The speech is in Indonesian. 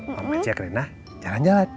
mama cek rena jalan jalan